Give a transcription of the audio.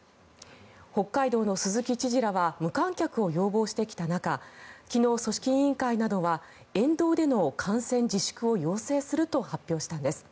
北海道の鈴木知事らは無観客を要望してきた中昨日、組織委員会などは沿道での観戦自粛を要請すると発表したんです。